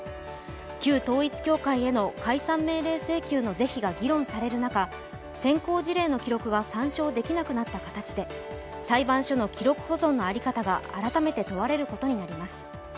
旧統一教会への解散命令請求の是非が議論される中、先行事例の記録が参照できなくなった形で裁判所の記録保存の在り方が改めて問われることになります。